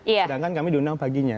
sedangkan kami diundang paginya